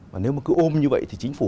và nếu mà cứ ôm như vậy thì chính phủ